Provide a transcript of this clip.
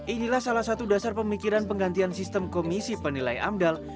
inilah salah satu dasar pemikiran penggantian sistem komisi penilai amdal